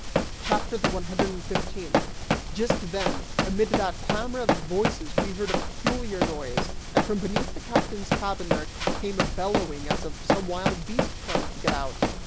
CHAPTER THE ONE HUNDRED AND FIFTEENTH. Just then, amid that clamor of voices we heard a peculiar noise, and from beneath the captain's cabin there came a bellowing as of some wild beast trying to get out.